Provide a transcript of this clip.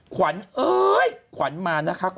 ขวัญคุณพี่มานะคะ